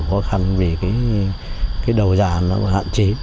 nhiều khó khăn vì cái đầu gia nó hạn chế